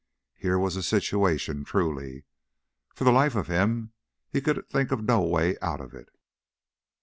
Here was a situation, truly. For the life of him he could think of no way out of it.